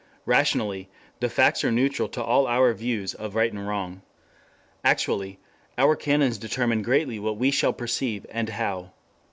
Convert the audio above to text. Rationally, the facts are neutral to all our views of right and wrong. Actually, our canons determine greatly what we shall perceive and how.